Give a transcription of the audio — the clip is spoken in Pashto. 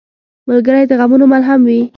ملګری د غمونو ملهم وي.